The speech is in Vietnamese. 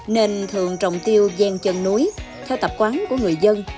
nên thường trồng tiêu gen chân núi theo tập quán của người dân